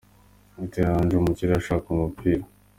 Butera Andrew mu kirere ashaka umupira .